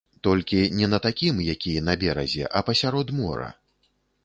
Толькі не на такім, які на беразе, а пасярод мора.